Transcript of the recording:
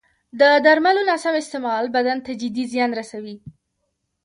د درملو نه سم استعمال بدن ته جدي زیان رسوي.